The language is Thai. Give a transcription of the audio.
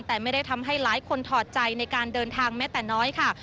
แต่ไม่ได้ทำให้หลายคนถอดใจในการเดินทางแม้แต่น้อยค่ะ